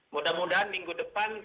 mudah mudahan minggu depan